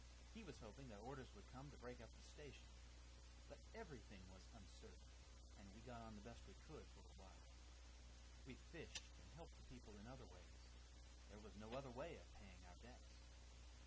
He was hoping that orders would come to break up the station; but everything was uncertain, and we got on the best we could for a while. We fished, and helped the people in other ways; there was no other way of paying our debts.